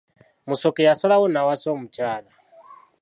Musoke yasalawo n'awasa omukyala.